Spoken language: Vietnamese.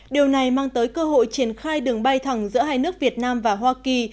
điều này mang tới cơ hội triển khai đường bay thẳng giữa hai nước việt nam và hoa kỳ